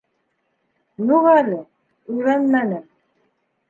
— Юҡ әле, өйрәнмәнем.